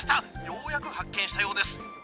「ようやく発見したようです」